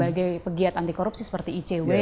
sebagai pegiat anti korupsi seperti icw